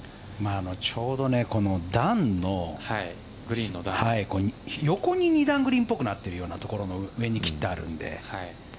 ちょうど、段の横に２段グリーンっぽくなっているようなところの上に切ってあるので。